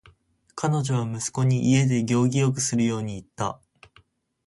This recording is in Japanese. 彼女は息子に家で行儀よくするように言った。